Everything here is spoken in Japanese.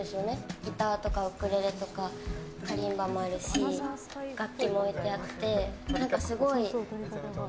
ギターとかウクレレとかカリンバもあるし楽器も置いてあって。